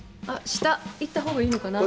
下行った方がいいのかな？